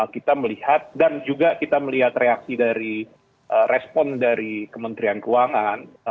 kita melihat dan juga kita melihat reaksi dari respon dari kementerian keuangan